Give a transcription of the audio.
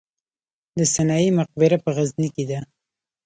د سنايي مقبره په غزني کې ده